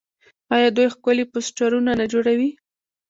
آیا دوی ښکلي پوسټرونه نه جوړوي؟